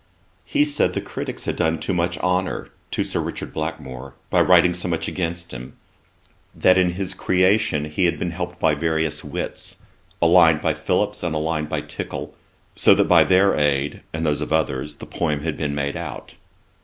He said, the criticks had done too much honour to Sir Richard Blackmore, by writing so much against him. That in his Creation he had been helped by various wits, a line by Phillips and a line by Tickell; so that by their aid, and that of others, the poem had been made out.